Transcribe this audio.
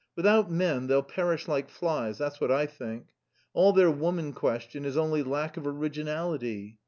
Without men they'll perish like flies that's what I think. All their woman question is only lack of originality.